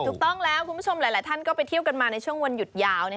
ถูกต้องแล้วคุณผู้ชมหลายท่านก็ไปเที่ยวกันมาในช่วงวันหยุดยาว